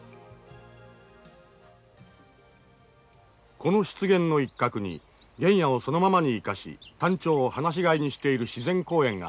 この湿原の一角に原野をそのままに生かしタンチョウを放し飼いにしている自然公園がある。